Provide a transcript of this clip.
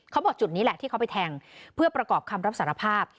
จุดนี้แหละที่เขาไปแทงเพื่อประกอบคำรับสารภาพ